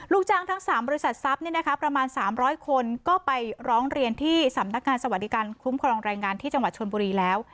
ลูกจ้างทั้ง๓บริษัททรัพย์ประมาณ๓๐๐คนก็ไปร้องเรียนที่สำนักงานสวัสดิการคุ้มครองแรงงานที่จังหวัดชนบุรีแล้ว